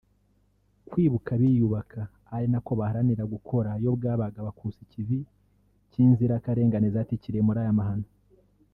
kwibuka biyubaka ari nako baharanira gukora iyo bwabaga bakusa ikivi cy’inzirakarengane zatikiriye muri aya mahano